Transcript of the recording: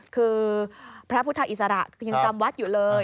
คือพระพุทธอิสระยังจำวัดอยู่เลย